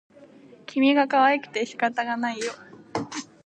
君がかわいくて仕方がないよ